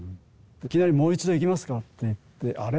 いきなり「もう一度行きますか？」って言ってあれ？